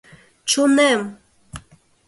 Чонем!